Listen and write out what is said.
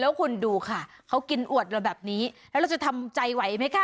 แล้วคุณดูค่ะเขากินอวดเราแบบนี้แล้วเราจะทำใจไหวไหมคะ